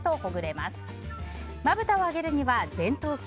まぶたを上げるには前頭筋。